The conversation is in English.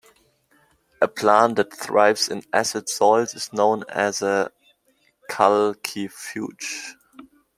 A plant that thrives in acid soils is known as a calcifuge.